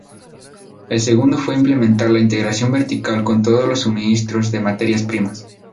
El segundo fue implementar la integración vertical con todos los suministradores de materias primas.